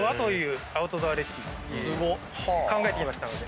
考えてきましたので。